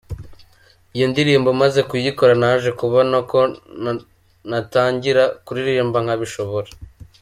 Iyo ndirimbo maze kuyikora naje kubona ko natangira kuririmba nkabishobora.